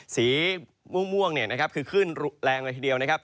สีม่วงคือคลื่นแรงเลยทีเดียวนะครับ